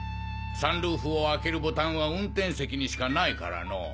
サンルーフを開けるボタンは運転席にしかないからのぉ。